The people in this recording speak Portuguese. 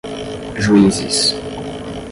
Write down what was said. juízes